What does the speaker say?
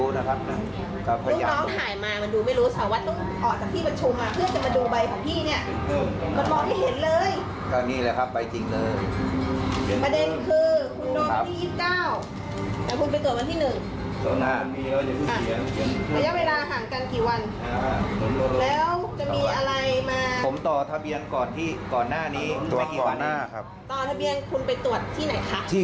ตรวจที่ก่อนหน้านี้ตรวจก่อนหน้าครับต่อทะเบียนคุณไปตรวจที่ไหนค่ะที่